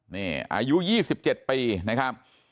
นี่อายุ๒๗ปีนะครับ